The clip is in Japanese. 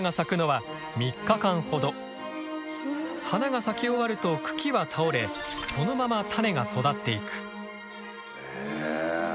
花が咲き終わると茎は倒れそのまま種が育っていく。